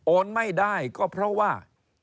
ไม่ได้ก็เพราะว่า